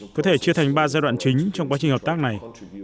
có thể chia thành ba giai đoạn chính trong quá trình hợp tác này